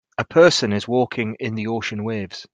A person is walking in the ocean waves.